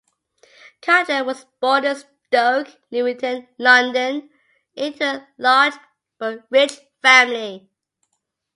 Cutler was born in Stoke Newington, London, into a large but rich family.